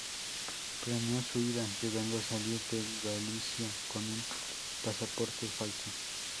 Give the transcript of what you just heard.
Planeó su huida, llegando a salir de Galicia con un pasaporte falso.